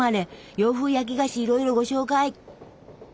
洋風焼き菓子いろいろご紹介。